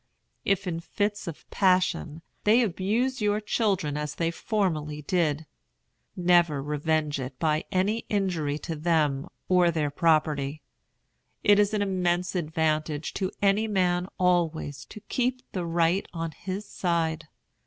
If in fits of passion, they abuse your children as they formerly did, never revenge it by any injury to them or their property. It is an immense advantage to any man always to keep the right on his side.